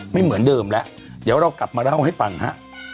ไม่เหมือนเดิมแล้วเดี๋ยวเรากลับมาเล่าให้ฟังฮะ